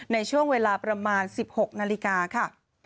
ในช่วงเวลาประมาณ๑๖นาฬิกาค่ะ